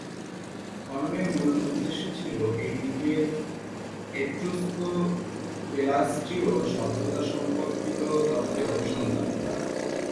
খননের মূল উদ্দেশ্য ছিল এই দ্বীপের "এট্রুস্কো-পেলাসজীয়" সভ্যতা সম্পর্কিত তথ্যের অনুসন্ধান।